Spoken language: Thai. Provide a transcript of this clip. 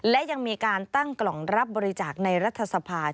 และยังมีการตั้งกล่องรับบริจาคในรัฐสภา